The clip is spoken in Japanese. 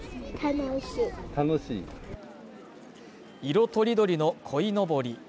色とりどりのこいのぼり